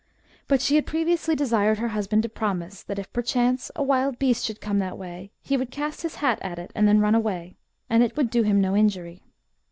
But she had previously desired her husband to promise, that if perchance a wild beast should come that way, he would cast his hat at it and then run away, and it would do him no injury.